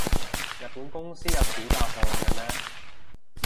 日本公司有暑假放嘅咩？